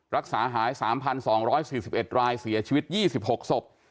รักษาหาย๓๒๔๑รายเสียชีวิต๒๖ศพ